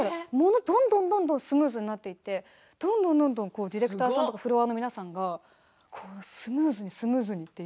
どんどんスムーズになっていってどんどんどんどんディレクターさんやフロアの皆さんがスムーズにスムーズにって。